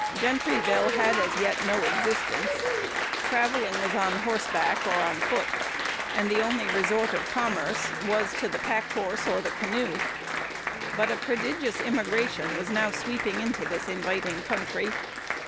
Gentryville had as yet no existence. Travelling was on horseback or on foot, and the only resort of commerce was to the pack horse or the canoe. But a prodigious immigration was now sweeping into this inviting country.